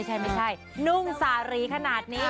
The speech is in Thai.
ใช่ไม่ใช่นุ่งสารีขนาดนี้